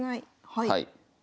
はい。